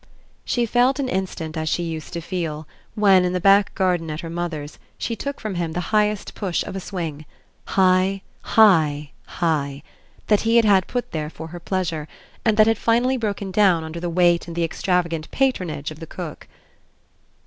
She felt an instant as she used to feel when, in the back garden at her mother's, she took from him the highest push of a swing high, high, high that he had had put there for her pleasure and that had finally broken down under the weight and the extravagant patronage of the cook.